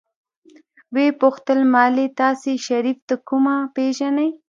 ويې پوښتل مالې تاسې شريف د کومه پېژنئ.